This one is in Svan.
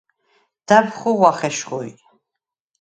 და̈ბ ხუღუ̂ახ ეშხუ̂ი.